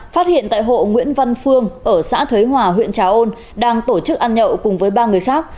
phát hiện tại hộ nguyễn văn phương ở xã thới hòa huyện trà ôn đang tổ chức ăn nhậu cùng với ba người khác